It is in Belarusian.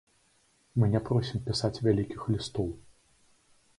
Мы не просім пісаць вялікіх лістоў.